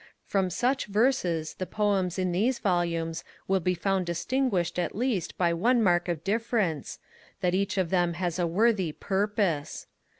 From such verses the Poems in these volumes will be found distinguished at least by one mark of difference, that each of them has a worthy purpose.